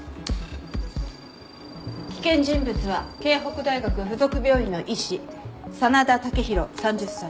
危険人物は彗北大学附属病院の医師真田雄大３０歳。